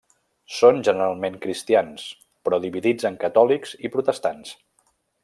Són generalment cristians, però dividits en catòlics i protestants.